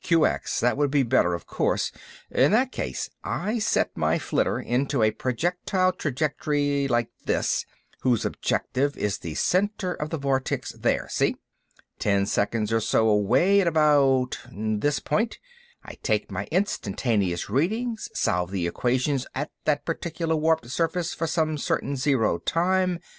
"QX; that would be better, of course. In that case, I set my flitter into a projectile trajectory like this, whose objective is the center of the vortex, there. See? Ten seconds or so away, at about this point, I take my instantaneous readings, solve the equations at that particular warped surface for some certain zero time...."